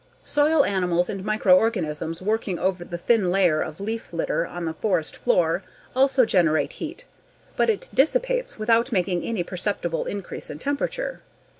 Soil animals and microorganisms working over the thin layer of leaf litter on the forest floor also generate heat but it dissipates without making any perceptible increase in temperature.